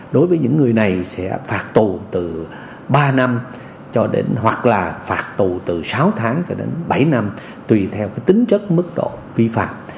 đối với những người này sẽ phạt tù từ ba năm cho đến hoặc là phạt tù từ sáu tháng cho đến bảy năm tùy theo cái tính chất mức độ vi phạm